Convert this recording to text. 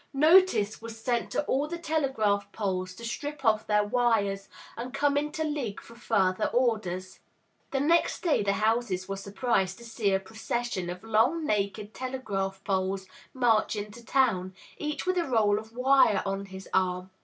Notice was sent to all the telegraph poles to strip off their wires and come into Ligg for further orders. The next day the houses were surprised to see a procession of long, naked telegraph poles march into town, each with a roll of wire on his arm.